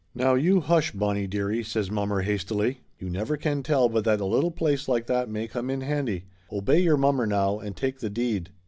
"Now you hush, Bonnie dearie," says mommer has tily. "You never can tell but that a little place like Laughter Limited 227 that may come in handy. Obey your mommer now, and take the deed."